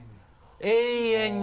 永遠に？